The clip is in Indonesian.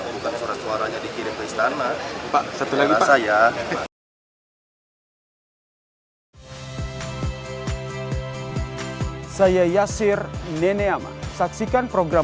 bukan surat suaranya dikirim ke istana